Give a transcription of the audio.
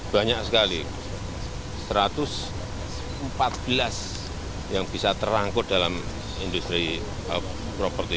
banyak sekali satu ratus empat belas yang bisa terangkut dalam industri properti